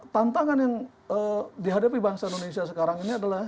tantangan yang dihadapi bangsa indonesia sekarang ini adalah